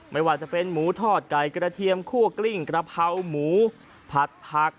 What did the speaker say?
ไม่ว่าจะเป็นหมูทอดไก่กระเทียมคั่วกลิ้งกระเพราหมูผัดผัก